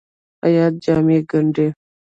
خیاط جامې ګنډي.